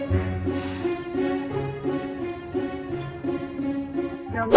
masa belum sampe juga